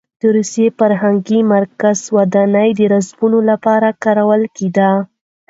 د روسي فرهنګي مرکز ودانۍ د بورسونو لپاره کارول کېده.